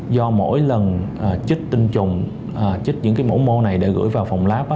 do mỗi lần chích tinh trùng chích những cái mẫu mô này để gửi vào phòng lab á